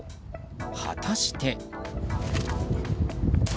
果たして。